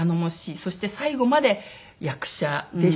そして最後まで役者でした。